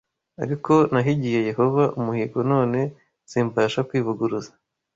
Ariko nahigiye Yehova umuhigo none simbasha kwivuguruza